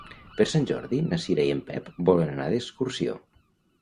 Per Sant Jordi na Cira i en Pep volen anar d'excursió.